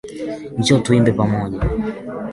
Njoo tuimbe pamoja